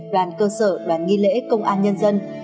đoàn cơ sở đoàn nghi lễ công an nhân dân